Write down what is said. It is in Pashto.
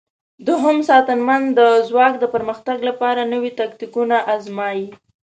دوهم ساتنمن د ځواک د پرمختګ لپاره نوي تاکتیکونه آزمايي.